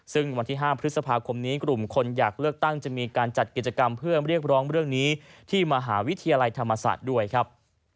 ซึ่งวันที่๕พฤษภาคมนี้กลุ่มคนอยากเลือกตั้งจะมีการจัดกิจกรรมเพื่อเรียกร้องเรื่องนี้ที่มหาวิทยาลัยธรรมศาสตร์ด้วยครับ